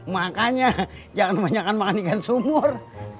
makanya jangan banyak banyak makan ikan sumur